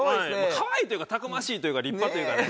可愛いというかたくましいというか立派というかね。